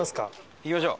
行きましょう。